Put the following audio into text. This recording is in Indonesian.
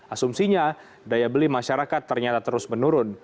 asumsinya daya beli masyarakat ternyata terus menurun